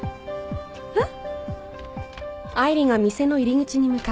えっ？